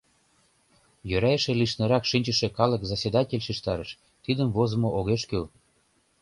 Йӧра эше лишнырак шинчыше калык заседатель шижтарыш: тидым возымо огеш кӱл.